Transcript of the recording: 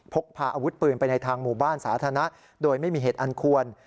พกพาอาวุธปืนไปในทางหมู่บ้านสาธารณะโดยไม่มีเหตุอันควร